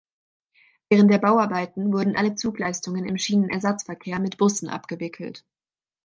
Während der Bauarbeiten wurden alle Zugleistungen im Schienenersatzverkehr mit Bussen abgewickelt.